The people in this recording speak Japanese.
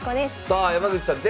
さあ山口さん